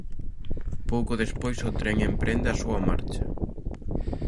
Pouco despois o tren emprende a súa marcha.